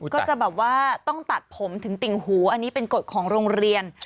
ก็จะแบบว่าต้องตัดผมถึงติ่งหูอันนี้เป็นกฎของโรงเรียน